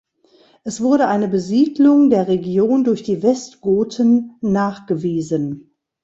Es wurde eine Besiedlung der Region durch die Westgoten nachgewiesen.